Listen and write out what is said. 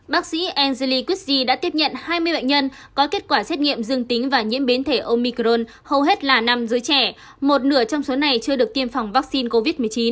bác sĩ angely quisi đã tiếp nhận hai mươi bệnh nhân có kết quả xét nghiệm dương tính và nhiễm biến thể omicron hầu hết là nam giới trẻ một nửa trong số này chưa được tiêm phòng vaccine covid một mươi chín